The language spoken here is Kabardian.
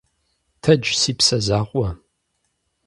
Тэдж, си псэ закъуэ.